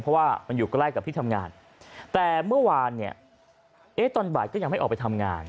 เพราะว่ามันอยู่ใกล้กับที่ทำงานแต่เมื่อวานเนี่ยเอ๊ะตอนบ่ายก็ยังไม่ออกไปทำงาน